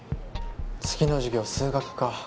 次の授業数学か。